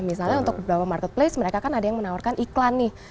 misalnya untuk beberapa marketplace mereka kan ada yang menawarkan iklan nih